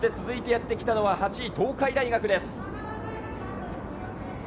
続いてやってきたのは８位・東海大学です。